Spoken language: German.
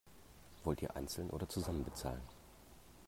Wollt ihr einzeln oder zusammen bezahlen?